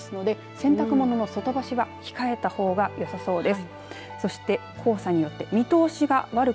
洗濯物の外干しは控えたほうがよさそうです。